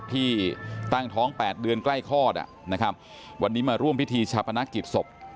ที่ตั้งท้อง๘เดือนใกล้คลอดอ่ะนะครับวันนี้มาร่วมพิธีชาปนกิจศพ